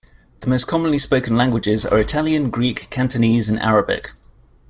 The most commonly spoken languages are Italian, Greek, Cantonese and Arabic.